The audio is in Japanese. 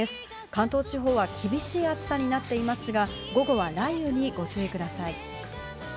関東地方は厳しい暑さになっていますが、午後は雷雨にご注意ください。